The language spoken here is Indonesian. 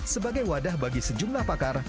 sebagai wadah bagi sejumlah pakar